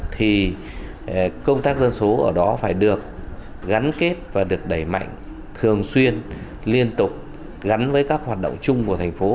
thì công tác dân số ở đó phải được gắn kết và được đẩy mạnh thường xuyên liên tục gắn với các hoạt động chung của thành phố